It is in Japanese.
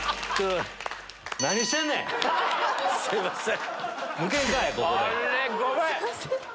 すいません。